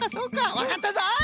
わかったぞい！